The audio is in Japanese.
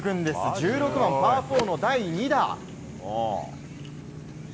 １６番パー４の第２打。